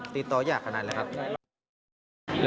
ติดต่อยากขนาดไหนครับ